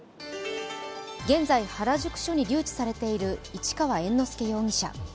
現在、原宿署に留置されている市川猿之助容疑者。